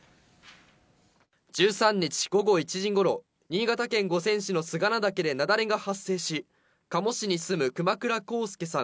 １３日午後１時ごろ、新潟県五泉市の菅名岳で雪崩が発生し、加茂市に住む熊倉浩介さん